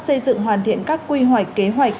xây dựng hoàn thiện các quy hoạch kế hoạch